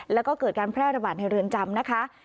แล้วก็เกิดการแพร่ระบาดในเรือนจำนะคะ